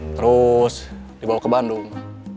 terus dibawa ke bandung